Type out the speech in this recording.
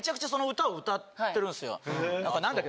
何だっけ？